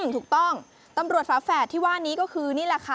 ถูกต้องตำรวจฝาแฝดที่ว่านี้ก็คือนี่แหละค่ะ